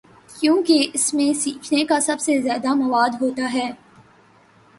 کیونکہ اس میں سیکھنے کا سب سے زیادہ مواد ہو تا ہے۔